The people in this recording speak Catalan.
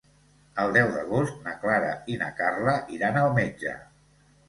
El deu d'agost na Clara i na Carla iran al metge.